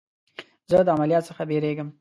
زه د عملیات څخه بیریږم.